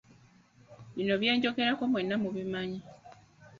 Bino bye njogerako mwenna mubimanyi.